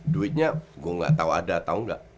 duitnya gue gak tau ada atau enggak